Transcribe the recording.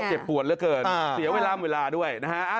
เจ็บปวดเหลือเกินเสียเวลาด้วยนะฮะ